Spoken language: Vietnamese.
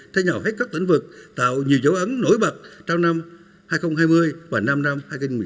thay nhỏ hết các tỉnh vực tạo nhiều dấu ấn nổi bật trong năm hai nghìn hai mươi và năm năm hai nghìn một mươi sáu hai nghìn hai mươi